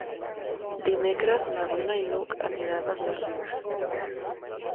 Dimecres na Duna i n'Hug aniran a Dosrius.